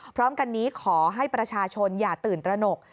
พร้อมกันนี้ขอให้ประชาชนอย่าตื่นตระหนก